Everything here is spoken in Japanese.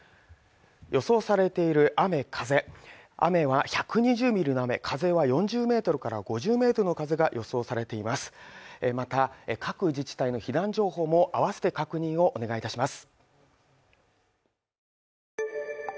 予想されている雨風雨は１２０ミリの雨、風は４０メートルから５０メートルの風が予想されています